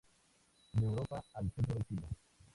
De Europa al centro de China.